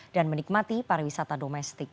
dan menikmati pariwisata domestik